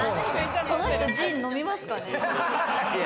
その人、ジン飲みますかね？